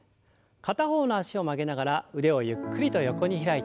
片方の脚を曲げながら腕をゆっくりと横に開いて。